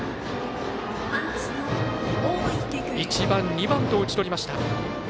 １番、２番と打ち取りました。